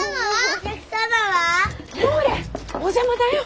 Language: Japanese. お邪魔だよ！